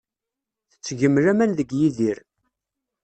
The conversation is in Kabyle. Tettgem laman deg Yidir.